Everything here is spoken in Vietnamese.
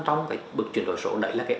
trong chuyển đổi số đấy là